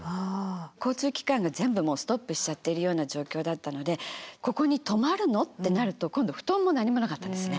交通機関が全部もうストップしちゃっているような状況だったのでここに泊まるのってなると今度布団も何もなかったんですね。